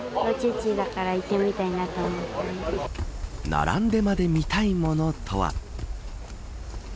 並んでまで見たいものとは。